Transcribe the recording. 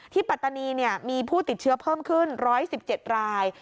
ปัตตานีมีผู้ติดเชื้อเพิ่มขึ้น๑๑๗ราย